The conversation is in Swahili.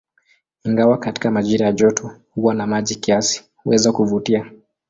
Ingawa katika majira ya joto huwa na maji kiasi, huweza kuvutia.